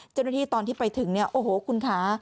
เจ้าหน้าที่ตอนที่ไปถึงเนี่ยโอ้โหคุณคะ